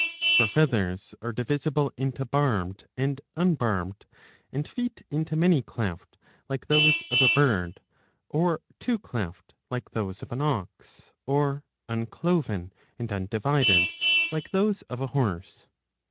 For feathers are divisible into Barbed and Un barbed, and feet into Many cleft, like those of a bird, or Two cleft, like those of an ox, or Uncloven and Undivided, like those of a horse.